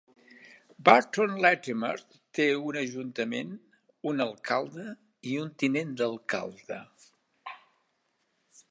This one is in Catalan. Burton Latimer té un ajuntament, un alcalde i un tinent d'alcalde.